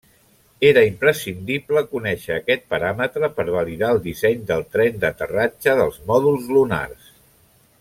Era imprescindible conèixer aquest paràmetre per validar el disseny del tren d'aterratge dels mòduls lunars.